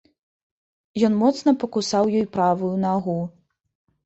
Ён моцна пакусаў ёй правую нагу.